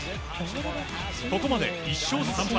ここまで１勝３敗。